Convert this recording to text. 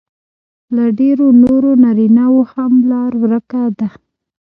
له ډېرو نورو نارینهو هم لار ورکه ده